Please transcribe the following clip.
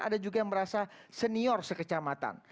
ada juga yang merasa senior sekecamatan